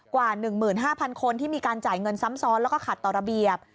กว่า๑๕๐๐คนที่มีการจ่ายเงินซ้ำซ้อนแล้วก็ขัดต่อระเบียบ